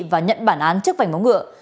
và nhận bản án trước vảnh bóng ngựa